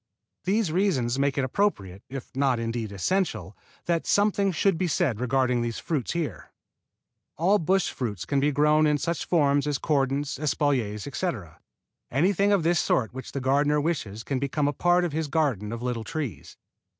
These reasons make it appropriate, if not indeed essential, that something should be said regarding these fruits here. All bush fruits can be grown in such forms as cordons, espaliers, etc. Anything of this sort which the gardener wishes can become a part of his garden of little trees.